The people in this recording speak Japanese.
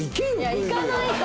いかないと！